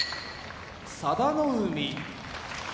佐田の海